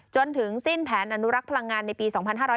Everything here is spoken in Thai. จนถึงสิ้นแผนอนุรักษ์พลังงานในปี๒๕๕๙